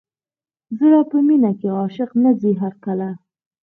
زړه په مینه کې عاشق نه ځي هر کله.